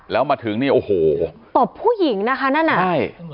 แล้วมาถึงนี่โอ้โหตบผู้หญิงนะคะนั่นอ่ะใช่